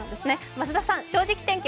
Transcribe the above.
増田さん「正直天気」